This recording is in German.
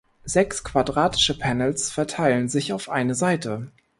Sechs quadratische Panels verteilen sich auf eine Seite.